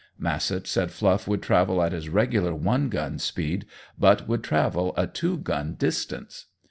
Massett said Fluff would travel at his regular one gun speed, but would travel a two gun distance.